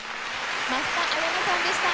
益田彩乃さんでした。